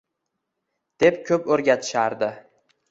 deb ko’p o’rgatishardi